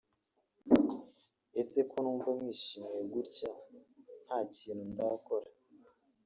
“Ese ko mwishimye gutya nta kintu ndakora